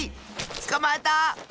つかまえた！